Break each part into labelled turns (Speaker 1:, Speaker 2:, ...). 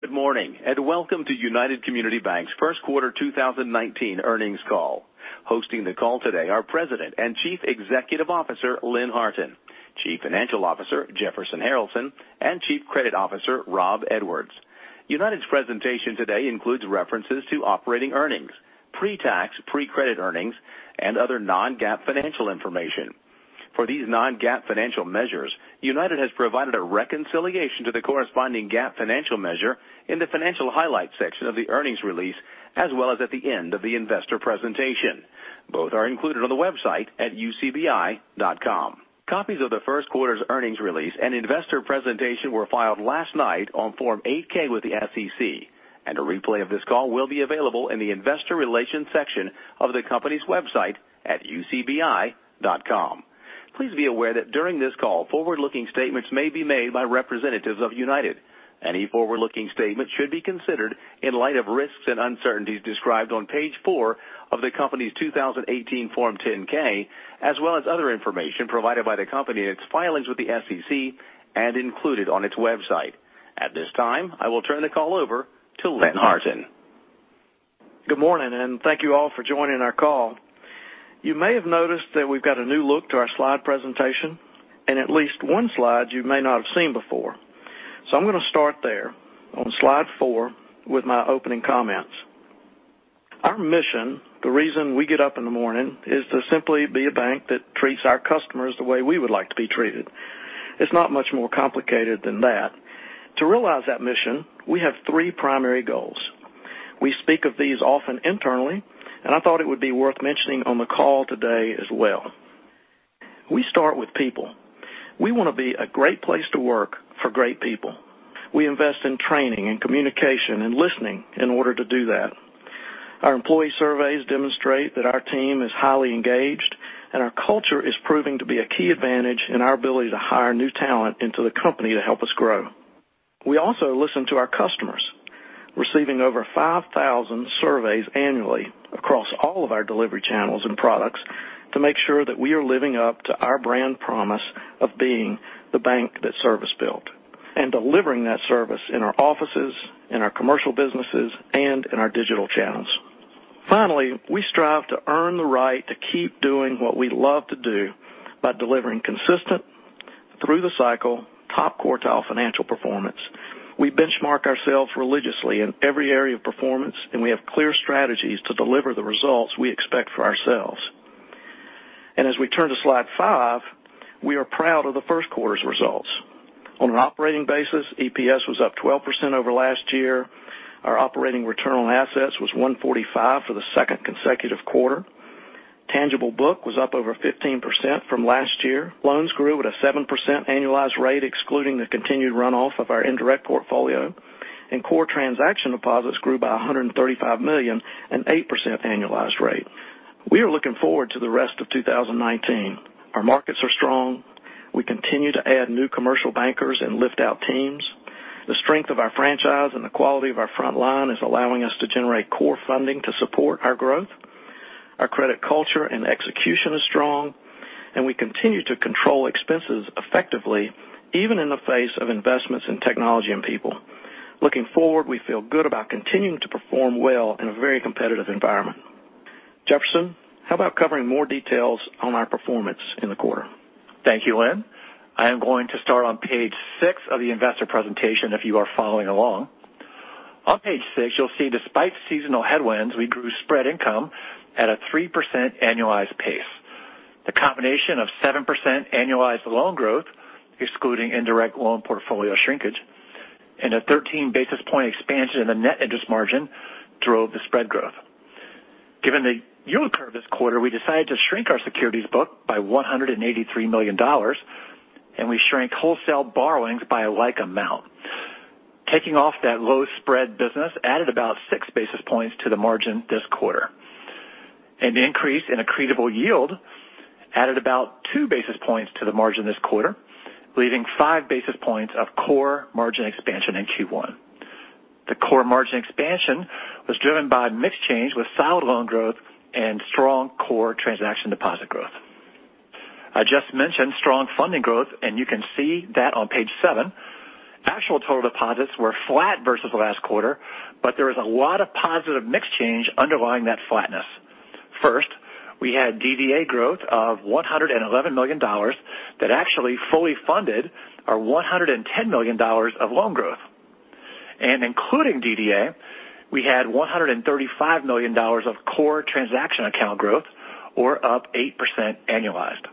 Speaker 1: Good morning, welcome to United Community Banks' first quarter 2019 earnings call. Hosting the call today are President and Chief Executive Officer, Lynn Harton; Chief Financial Officer, Jefferson Harralson; and Chief Credit Officer, Rob Edwards. United's presentation today includes references to operating earnings, pre-tax, pre-credit earnings, and other non-GAAP financial information. For these non-GAAP financial measures, United has provided a reconciliation to the corresponding GAAP financial measure in the Financial Highlights section of the earnings release, as well as at the end of the investor presentation. Both are included on the website at ucbi.com. Copies of the first quarter's earnings release and investor presentation were filed last night on Form 8-K with the SEC. A replay of this call will be available in the Investor Relations section of the company's website at ucbi.com. Please be aware that during this call, forward-looking statements may be made by representatives of United. Any forward-looking statements should be considered in light of risks and uncertainties described on page four of the company's 2018 Form 10-K, as well as other information provided by the company in its filings with the SEC and included on its website. At this time, I will turn the call over to Lynn Harton.
Speaker 2: Good morning, thank you all for joining our call. You may have noticed that we've got a new look to our slide presentation. At least one slide you may not have seen before. I'm going to start there, on slide four, with my opening comments. Our mission, the reason we get up in the morning, is to simply be a bank that treats our customers the way we would like to be treated. It's not much more complicated than that. To realize that mission, we have three primary goals. We speak of these often internally. I thought it would be worth mentioning on the call today as well. We start with people. We want to be a great place to work for great people. We invest in training and communication and listening in order to do that. Our employee surveys demonstrate that our team is highly engaged. Our culture is proving to be a key advantage in our ability to hire new talent into the company to help us grow. We also listen to our customers, receiving over 5,000 surveys annually across all of our delivery channels and products to make sure that we are living up to our brand promise of being the bank that service built. Delivering that service in our offices, in our commercial businesses, and in our digital channels. Finally, we strive to earn the right to keep doing what we love to do by delivering consistent, through the cycle, top-quartile financial performance. We benchmark ourselves religiously in every area of performance. We have clear strategies to deliver the results we expect for ourselves. As we turn to slide five, we are proud of the first quarter's results. On an operating basis, EPS was up 12% over last year. Our operating return on assets was 145 for the second consecutive quarter. Tangible book was up over 15% from last year. Loans grew at a 7% annualized rate, excluding the continued runoff of our indirect portfolio, and core transaction deposits grew by $135 million, an 8% annualized rate. We are looking forward to the rest of 2019. Our markets are strong. We continue to add new commercial bankers and lift-out teams. The strength of our franchise and the quality of our front line is allowing us to generate core funding to support our growth. Our credit culture and execution is strong, and we continue to control expenses effectively, even in the face of investments in technology and people. Looking forward, we feel good about continuing to perform well in a very competitive environment. Jefferson, how about covering more details on our performance in the quarter?
Speaker 3: Thank you, Lynn. I am going to start on page six of the investor presentation, if you are following along. On page six, you'll see despite seasonal headwinds, we grew spread income at a 3% annualized pace. The combination of 7% annualized loan growth, excluding indirect loan portfolio shrinkage, and a 13-basis point expansion in the net interest margin drove the spread growth. Given the yield curve this quarter, we decided to shrink our securities book by $183 million, and we shrank wholesale borrowings by a like amount. Taking off that low spread business added about six basis points to the margin this quarter. An increase in accretable yield added about two basis points to the margin this quarter, leaving five basis points of core margin expansion in Q1. The core margin expansion was driven by mix change with solid loan growth and strong core transaction deposit growth. I just mentioned strong funding growth, and you can see that on page seven. Actual total deposits were flat versus last quarter, but there was a lot of positive mix change underlying that flatness. First, we had DDA growth of $111 million that actually fully funded our $110 million of loan growth. Including DDA, we had $135 million of core transaction account growth or up 8% annualized.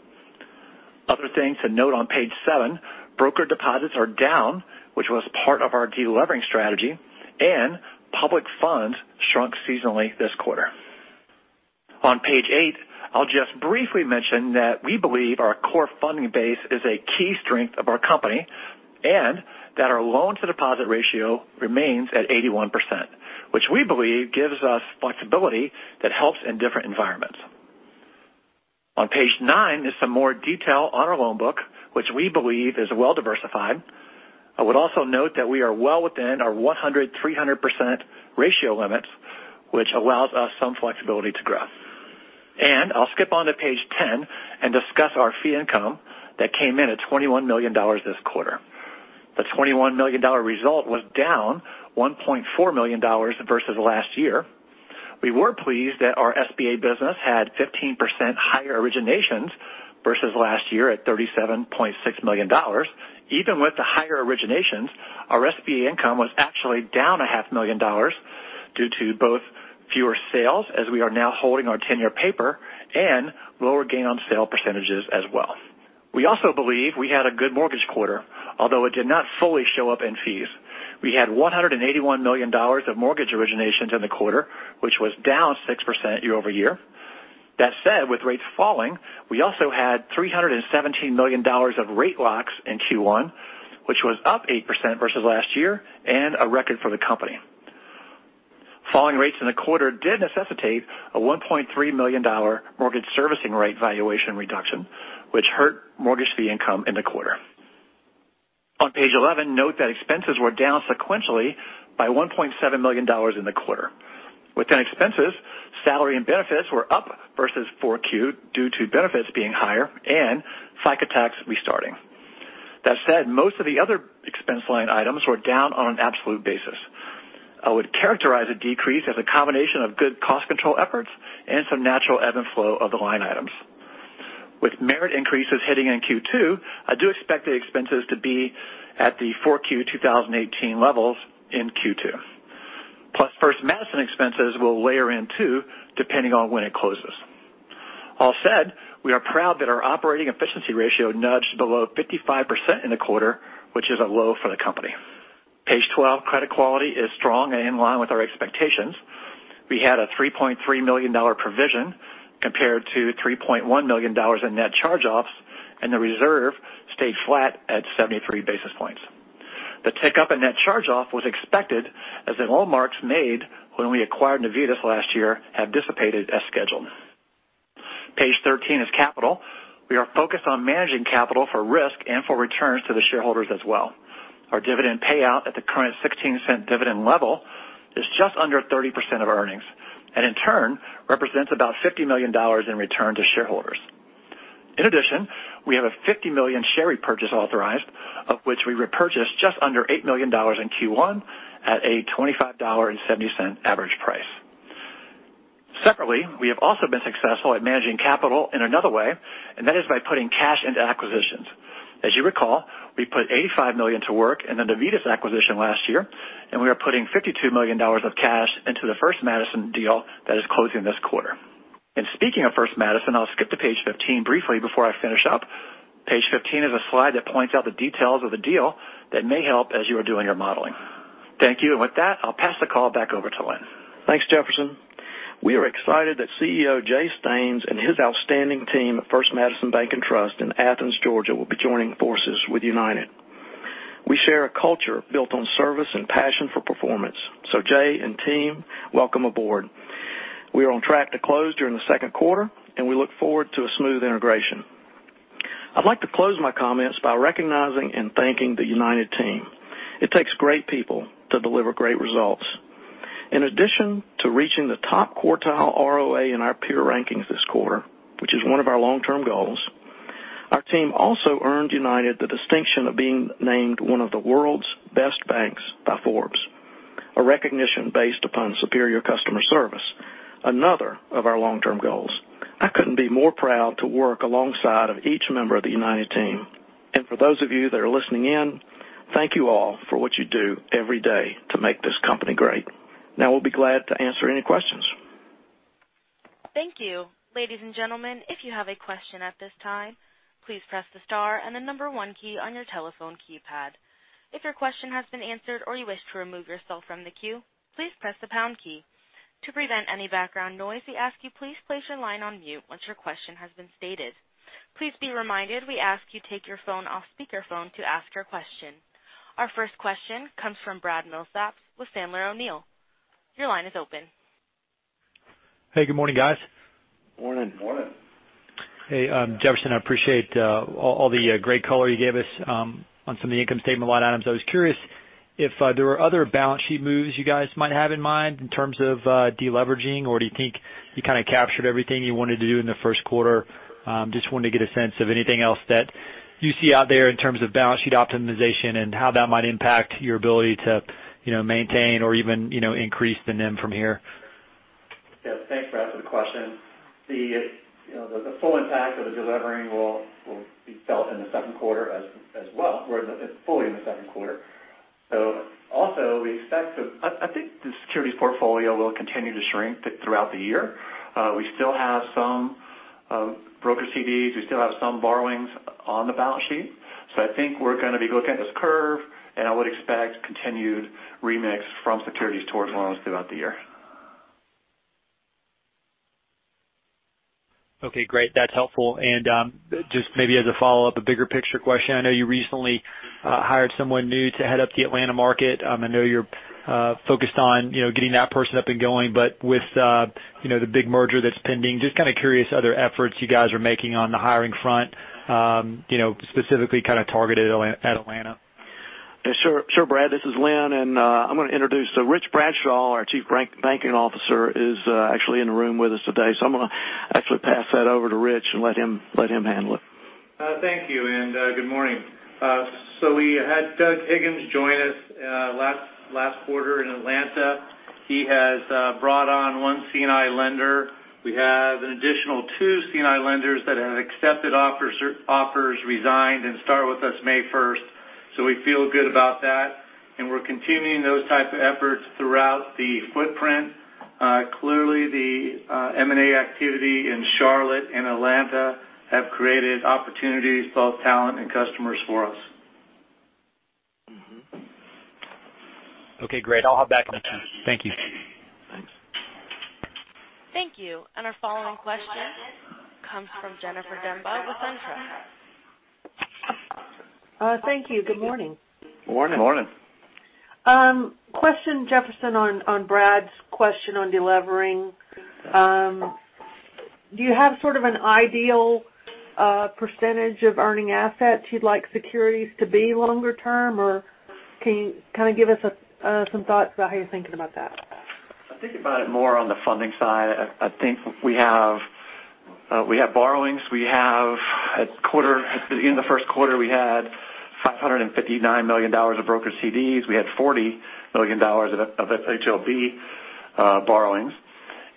Speaker 3: Other things to note on page seven, broker deposits are down, which was part of our de-levering strategy, and public funds shrunk seasonally this quarter. On page eight, I'll just briefly mention that we believe our core funding base is a key strength of our company and that our loan-to-deposit ratio remains at 81%, which we believe gives us flexibility that helps in different environments. On page nine is some more detail on our loan book, which we believe is well diversified. I would also note that we are well within our 100%-300% ratio limits, which allows us some flexibility to grow. I'll skip onto page 10 and discuss our fee income that came in at $21 million this quarter. The $21 million result was down $1.4 million versus last year. We were pleased that our SBA business had 15% higher originations versus last year at $37.6 million. Even with the higher originations, our SBA income was actually down a half million dollars due to both fewer sales, as we are now holding our 10-year paper, and lower gain on sale percentages as well. We also believe we had a good mortgage quarter, although it did not fully show up in fees. We had $181 million of mortgage originations in the quarter, which was down 6% year-over-year. That said, with rates falling, we also had $317 million of rate locks in Q1, which was up 8% versus last year and a record for the company. Falling rates in the quarter did necessitate a $1.3 million mortgage servicing rate valuation reduction, which hurt mortgage fee income in the quarter. On page 11, note that expenses were down sequentially by $1.7 million in the quarter. Within expenses, salary and benefits were up versus 4Q due to benefits being higher and FICA tax restarting. That said, most of the other expense line items were down on an absolute basis. I would characterize a decrease as a combination of good cost control efforts and some natural ebb and flow of the line items. With merit increases hitting in Q2, I do expect the expenses to be at the 4Q 2018 levels in Q2. First Madison expenses will layer in too, depending on when it closes. All said, we are proud that our operating efficiency ratio nudged below 55% in the quarter, which is a low for the company. Page 12. Credit quality is strong and in line with our expectations. We had a $3.3 million provision compared to $3.1 million in net charge-offs, and the reserve stayed flat at 73 basis points. The tick-up in net charge-off was expected, as the loan marks made when we acquired Navitas last year have dissipated as scheduled. Page 13 is capital. We are focused on managing capital for risk and for returns to the shareholders as well. Our dividend payout at the current $0.16 dividend level is just under 30% of earnings, and in turn, represents about $50 million in return to shareholders. In addition, we have a $50 million share repurchase authorized, of which we repurchased just under $8 million in Q1 at a $25.70 average price. Separately, we have also been successful at managing capital in another way, and that is by putting cash into acquisitions. As you recall, we put $85 million to work in the Navitas acquisition last year, and we are putting $52 million of cash into the First Madison deal that is closing this quarter. Speaking of First Madison, I'll skip to page 15 briefly before I finish up. Page 15 is a slide that points out the details of the deal that may help as you are doing your modeling. Thank you. With that, I'll pass the call back over to Lynn.
Speaker 2: Thanks, Jefferson. We are excited that CEO Jay Staines and his outstanding team at First Madison Bank & Trust in Athens, Georgia, will be joining forces with United. We share a culture built on service and passion for performance. Jay and team, welcome aboard. We are on track to close during the second quarter, and we look forward to a smooth integration. I'd like to close my comments by recognizing and thanking the United team. It takes great people to deliver great results. In addition to reaching the top quartile ROA in our peer rankings this quarter, which is one of our long-term goals, our team also earned United the distinction of being named one of the world's best banks by Forbes, a recognition based upon superior customer service, another of our long-term goals. I couldn't be more proud to work alongside of each member of the United team. For those of you that are listening in, thank you all for what you do every day to make this company great. We'll be glad to answer any questions.
Speaker 1: Thank you. Ladies and gentlemen, if you have a question at this time, please press the star and the number 1 key on your telephone keypad. If your question has been answered or you wish to remove yourself from the queue, please press the pound key. To prevent any background noise, we ask you please place your line on mute once your question has been stated. Please be reminded, we ask you take your phone off speakerphone to ask your question. Our first question comes from Brad Milsaps with Sandler O'Neill. Your line is open.
Speaker 4: Hey, good morning, guys.
Speaker 2: Morning.
Speaker 3: Morning.
Speaker 4: Hey, Jefferson, I appreciate all the great color you gave us on some of the income statement line items. I was curious if there were other balance sheet moves you guys might have in mind in terms of de-leveraging, or do you think you kind of captured everything you wanted to do in the first quarter? Just wanted to get a sense of anything else that you see out there in terms of balance sheet optimization and how that might impact your ability to maintain or even increase the NIM from here.
Speaker 3: Yeah. Thanks, Brad, for the question. The full impact of the de-levering will be felt in the second quarter as well. We're in it fully in the second quarter. I think the securities portfolio will continue to shrink throughout the year. We still have some broker CDs. We still have some borrowings on the balance sheet. I think we're going to be looking at this curve, I would expect continued remix from securities towards loans throughout the year.
Speaker 4: Okay, great. That's helpful. Just maybe as a follow-up, a bigger picture question. I know you recently hired someone new to head up the Atlanta market. I know you're focused on getting that person up and going, with the big merger that's pending, just kind of curious other efforts you guys are making on the hiring front, specifically kind of targeted at Atlanta.
Speaker 2: Sure, Brad. This is Lynn, I'm going to introduce Rich Bradshaw, our Chief Banking Officer, is actually in the room with us today. I'm going to actually pass that over to Rich and let him handle it.
Speaker 5: Thank you, and good morning. We had Doug Higgins join us last quarter in Atlanta. He has brought on one C&I lender. We have an additional two C&I lenders that have accepted offers, resigned, and start with us May 1st. We feel good about that, and we're continuing those types of efforts throughout the footprint. Clearly, the M&A activity in Charlotte and Atlanta have created opportunities, both talent and customers for us.
Speaker 4: Mm-hmm. Okay, great. I'll hop back in touch. Thank you.
Speaker 5: Thanks.
Speaker 1: Thank you. Our following question comes from Jennifer Demba with SunTrust.
Speaker 6: Thank you. Good morning.
Speaker 5: Morning.
Speaker 3: Morning.
Speaker 6: Question, Jefferson, on Brad's question on de-levering. Do you have sort of an ideal percentage of earning assets you'd like securities to be longer term? Can you kind of give us some thoughts about how you're thinking about that?
Speaker 3: I think about it more on the funding side. I think we have borrowings. In the first quarter, we had $559 million of broker CDs. We had $40 million of FHLB borrowings.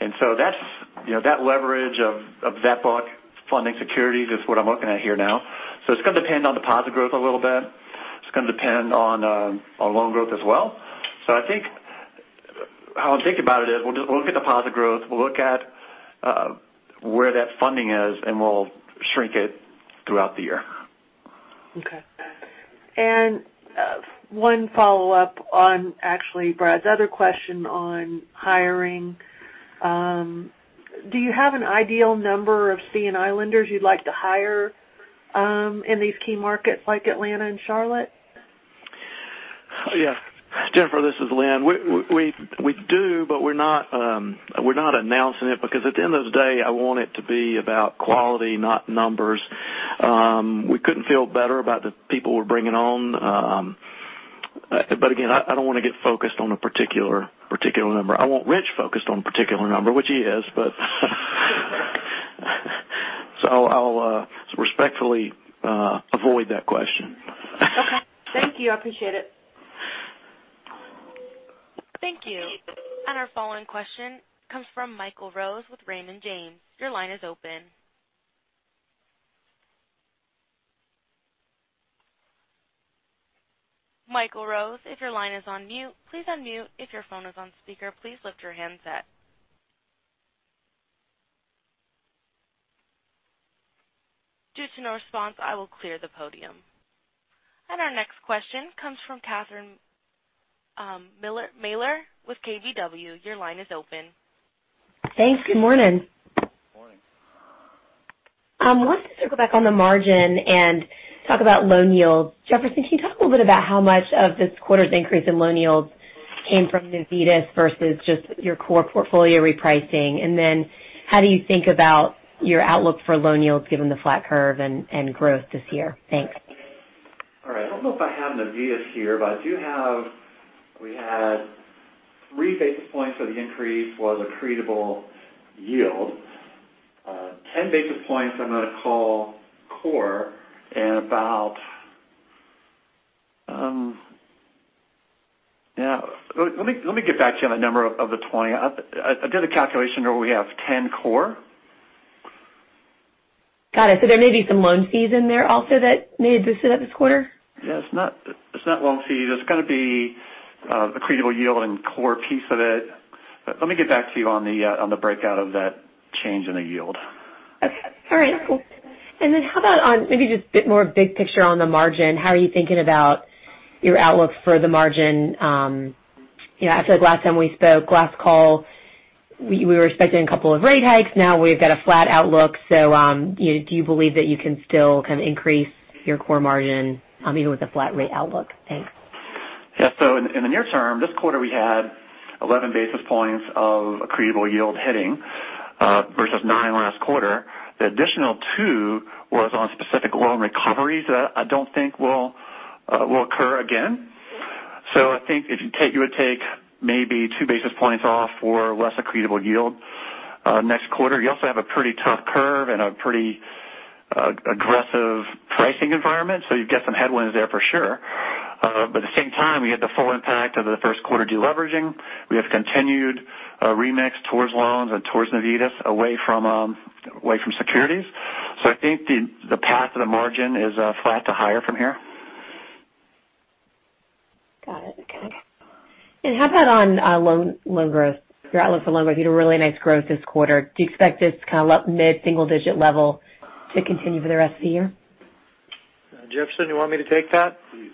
Speaker 3: That leverage of that book funding securities is what I'm looking at here now. It's going to depend on deposit growth a little bit. It's going to depend on loan growth as well. I think how I'm thinking about it is we'll look at deposit growth, we'll look at where that funding is, and we'll shrink it throughout the year.
Speaker 6: Okay. One follow-up on actually Brad's other question on hiring. Do you have an ideal number of C&I lenders you'd like to hire in these key markets like Atlanta and Charlotte?
Speaker 2: Yes. Jennifer, this is Lynn. We do, but we're not announcing it because at the end of the day, I want it to be about quality, not numbers. We couldn't feel better about the people we're bringing on. Again, I don't want to get focused on a particular number. I want Rich focused on a particular number, which he is, I'll respectfully avoid that question.
Speaker 6: Okay. Thank you. I appreciate it.
Speaker 1: Thank you. Our following question comes from Michael Rose with Raymond James. Your line is open. Michael Rose, if your line is on mute, please unmute. If your phone is on speaker, please lift your handset. Due to no response, I will clear the podium. Our next question comes from Catherine Mealor with KBW. Your line is open.
Speaker 7: Thanks. Good morning.
Speaker 5: Morning.
Speaker 7: I wanted to circle back on the margin and talk about loan yields. Jefferson, can you talk a little bit about how much of this quarter's increase in loan yields came from Navitas versus just your core portfolio repricing? How do you think about your outlook for loan yields given the flat curve and growth this year? Thanks.
Speaker 3: All right. I don't know if I have Navitas here, but we had three basis points of the increase was accretable yield. 10 basis points I'm going to call core. Let me get back to you on the number of the 20. I did a calculation where we have 10 core.
Speaker 7: Got it. There may be some loan fees in there also that may have boosted it this quarter?
Speaker 3: Yeah, it's not loan fees. It's going to be accretable yield and core piece of it. Let me get back to you on the breakout of that change in the yield.
Speaker 7: Okay. All right, cool. How about on maybe just a bit more big picture on the margin, how are you thinking about your outlook for the margin? I feel like last time we spoke, last call, we were expecting a couple of rate hikes. Now we've got a flat outlook. Do you believe that you can still kind of increase your core margin even with a flat rate outlook? Thanks.
Speaker 3: Yeah. In the near term, this quarter, we had 11 basis points of accretable yield heading versus nine last quarter. The additional two was on specific loan recoveries that I don't think will occur again. I think if you would take maybe two basis points off for less accretable yield next quarter. You also have a pretty tough curve and a pretty aggressive pricing environment, so you've got some headwinds there for sure. At the same time, we had the full impact of the first quarter de-leveraging. We have continued remix towards loans and towards Navitas away from securities. I think the path to the margin is flat to higher from here.
Speaker 7: Got it. Okay. How about on loan growth? Your outlook for loan growth, you had a really nice growth this quarter. Do you expect this kind of mid-single digit level to continue for the rest of the year?
Speaker 5: Jefferson, you want me to take that?
Speaker 3: Please.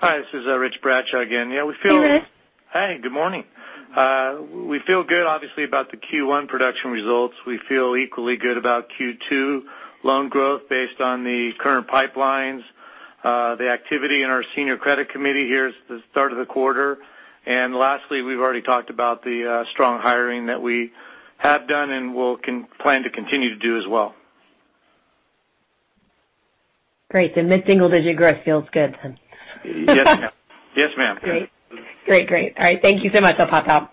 Speaker 5: Hi, this is Rich Bradshaw again. Yeah, we feel-
Speaker 7: Hey, Rich.
Speaker 5: Hey, good morning. We feel good obviously about the Q1 production results. We feel equally good about Q2 loan growth based on the current pipelines, the activity in our senior credit committee here at the start of the quarter. Lastly, we've already talked about the strong hiring that we have done and we'll plan to continue to do as well.
Speaker 7: Great. The mid-single-digit growth feels good then.
Speaker 5: Yes, ma'am.
Speaker 7: Great. All right. Thank you so much. I'll pop out.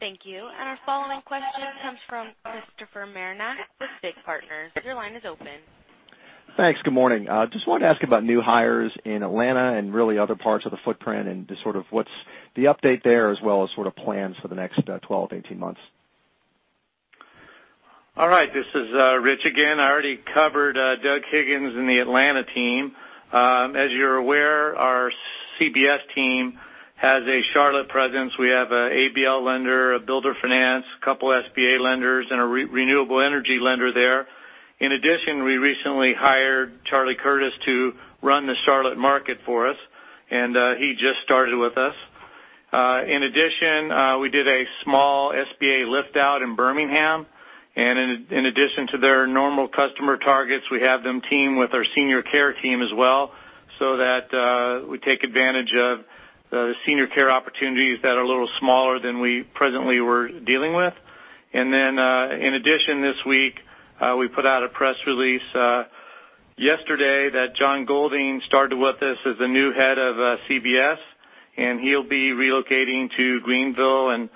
Speaker 1: Thank you. Our following question comes from Christopher Marinac with FIG Partners. Your line is open.
Speaker 8: Thanks. Good morning. Just wanted to ask about new hires in Atlanta and really other parts of the footprint and just sort of what's the update there as well as sort of plans for the next 12 to 18 months.
Speaker 5: All right. This is Rich again. I already covered Doug Higgins and the Atlanta team. As you're aware, our CBS team has a Charlotte presence. We have an ABL lender, a builder finance, couple SBA lenders, and a renewable energy lender there. In addition, we recently hired Charles Curtis to run the Charlotte market for us, and he just started with us. In addition, we did a small SBA lift-out in Birmingham, and in addition to their normal customer targets, we have them team with our senior care team as well, so that we take advantage of the senior care opportunities that are a little smaller than we presently were dealing with. In addition, this week, we put out a press release yesterday that John Golding started with us as the new head of CBS, and he'll be relocating to Greenville and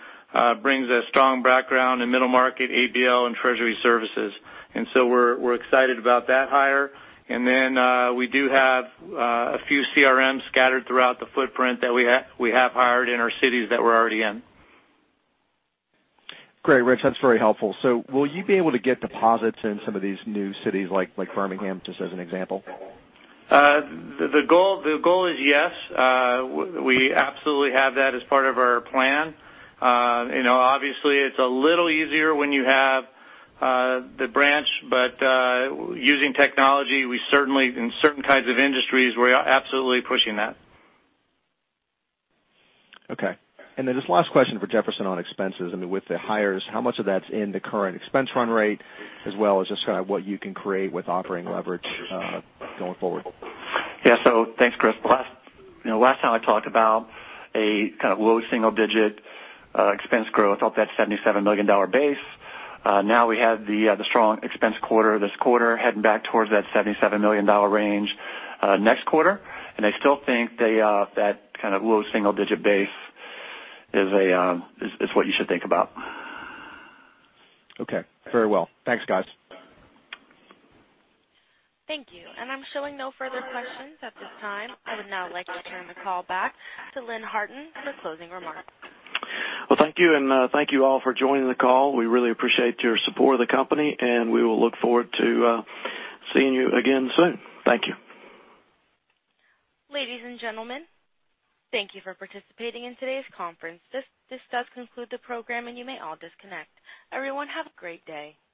Speaker 5: brings a strong background in middle market ABL and treasury services. We're excited about that hire. We do have a few CRMs scattered throughout the footprint that we have hired in our cities that we're already in.
Speaker 8: Great, Rich. That's very helpful. Will you be able to get deposits in some of these new cities like Birmingham, just as an example?
Speaker 5: The goal is yes. We absolutely have that as part of our plan. Obviously, it's a little easier when you have the branch, but using technology, in certain kinds of industries, we're absolutely pushing that.
Speaker 8: Okay. This last question for Jefferson on expenses. I mean, with the hires, how much of that's in the current expense run rate, as well as just kind of what you can create with operating leverage going forward?
Speaker 3: Yeah. Thanks, Chris. Last time I talked about a kind of low single-digit expense growth off that $77 million base. Now we have the strong expense quarter this quarter heading back towards that $77 million range next quarter. I still think that kind of low single-digit base is what you should think about.
Speaker 8: Okay. Very well. Thanks, guys.
Speaker 1: Thank you. I'm showing no further questions at this time. I would now like to turn the call back to Lynn Harton for closing remarks.
Speaker 2: Thank you, thank you all for joining the call. We really appreciate your support of the company, we will look forward to seeing you again soon. Thank you.
Speaker 1: Ladies and gentlemen, thank you for participating in today's conference. This does conclude the program, and you may all disconnect. Everyone, have a great day.